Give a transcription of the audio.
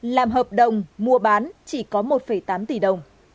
làm hợp đồng mua bán chỉ có một tám tỷ đồng